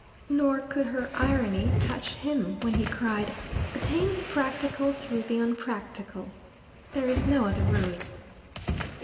Nor could her irony touch him when he cried: "Attain the practical through the unpractical. There is no other road."